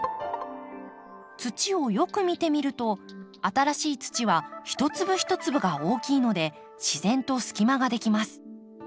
土をよく見てみると新しい土は一粒一粒が大きいので自然と隙間ができます。